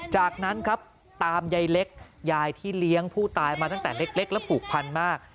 จากนั้นครับตามยายเล็กยายที่เลี้ยงผู้ตายมาตั้งแต่เล็กและผูกพันมาก